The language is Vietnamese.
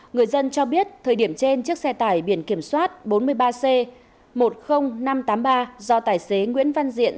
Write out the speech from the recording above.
người dân cho biết thời điểm trên chiếc xe tải biển kiểm soát bốn mươi ba c một mươi nghìn năm trăm tám mươi ba do tài xế nguyễn văn diện